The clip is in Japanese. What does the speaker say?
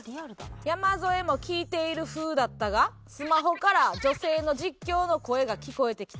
山添も聞いている風だったがスマホから女性の実況の声が聞こえてきた。